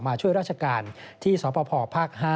มาช่วยราชการที่สพภาค๕